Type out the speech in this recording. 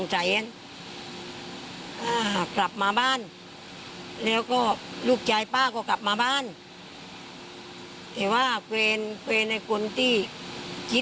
หมางเมียฯเชื่อว่าของเจ้าเนื้อโทษ